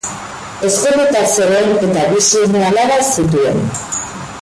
Ezkonduta zegoen, eta bi seme-alaba zituen.